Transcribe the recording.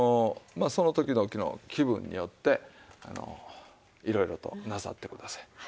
まあその時々の気分によっていろいろとなさってください。